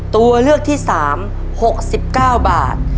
ตัวเลือกที่๓๖๙บาท